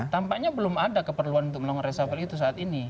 tampaknya belum ada keperluan untuk melakukan resapel itu saat ini